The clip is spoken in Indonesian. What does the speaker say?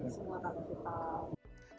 semua tadak vital